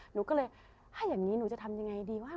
หนูก็เลยถ้าอย่างนี้หนูจะทำยังไงดีวะ